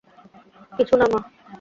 কিছু না মা!